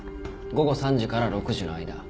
午後３時から６時の間。